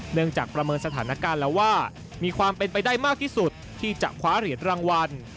ประเมินสถานการณ์แล้วว่ามีความเป็นไปได้มากที่สุดที่จะคว้าเหรียญรางวัล